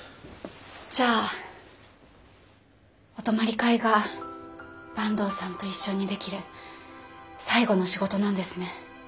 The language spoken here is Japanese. じゃあお泊まり会が坂東さんと一緒にできる最後の仕事なんですね。